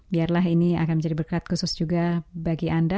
biarlah ini akan menjadi berkat khusus juga bagi anda